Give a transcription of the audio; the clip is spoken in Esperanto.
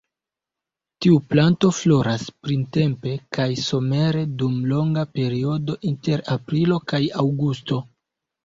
Tiu planto floras printempe kaj somere dum longa periodo inter aprilo kaj aŭgusto.